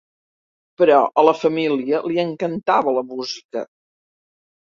Però a la família li encantava la música.